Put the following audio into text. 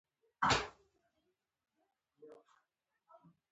د سمندر څپو ته کتل یو نه هېریدونکی خوند لري.